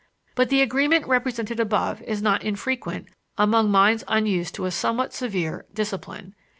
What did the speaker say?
But the agreement represented above is not infrequent among minds unused to a somewhat severe discipline.